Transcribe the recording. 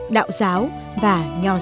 đạo giáo và nhân dân